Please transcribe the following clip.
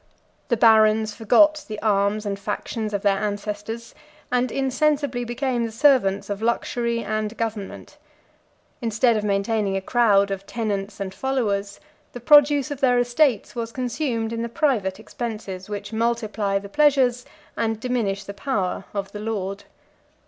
The barons forgot the arms and factions of their ancestors, and insensibly became the servants of luxury and government. Instead of maintaining a crowd of tenants and followers, the produce of their estates was consumed in the private expenses which multiply the pleasures, and diminish the power, of the lord.